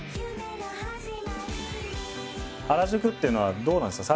原宿っていうのはどうなんですか？